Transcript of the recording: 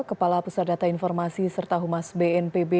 kepala pusat data informasi serta humas bnpb